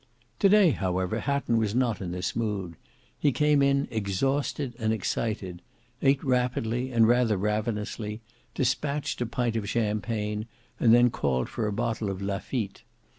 To day however Hatton was not in this mood. He came in exhausted and excited; eat rapidly and rather ravenously; despatched a pint of champagne; and then called for a bottle of Lafitte.